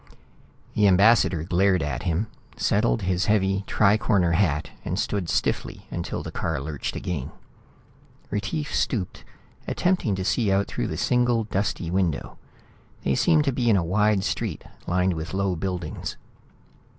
The ambassador glared at him, settled his heavy tri corner hat and stood stiffly until the car lurched again. Retief stooped, attempting to see out through the single dusty window. They seemed to be in a wide street lined with low buildings.